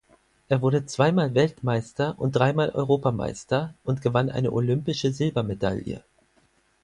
Er wurde zweimal Weltmeister und dreimal Europameister und gewann eine olympische Silbermedaille.